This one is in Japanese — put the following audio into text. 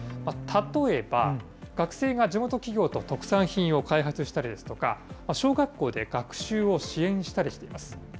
例えば、学生が地元企業と特産品を開発したりですとか、小学校で学習を支援したりしています。